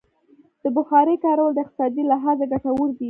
د بخارۍ کارول د اقتصادي لحاظه ګټور دي.